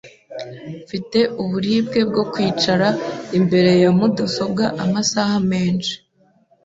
Mfite uburibwe bwo kwicara imbere ya mudasobwa amasaha menshi.